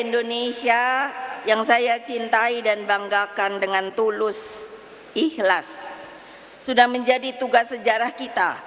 indonesia yang saya cintai dan banggakan dengan tulus ikhlas sudah menjadi tugas sejarah kita